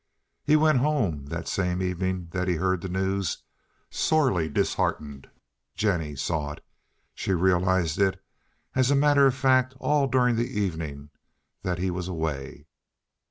He went home, the same evening that he heard the news, sorely disheartened. Jennie saw it. She realized it, as a matter of fact, all during the evening that he was away.